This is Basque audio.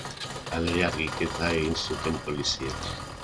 Hala ere, argiketa egin zuten poliziek.